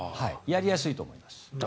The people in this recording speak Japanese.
やりやすいと思います。